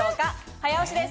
早押しです。